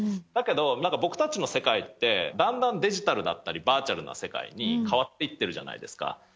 だけど、なんか僕たちの世界って、だんだんデジタルだったり、バーチャルな世界に変わっていってるじゃないですか。